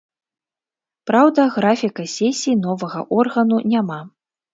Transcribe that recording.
Праўда, графіка сесій новага органу няма.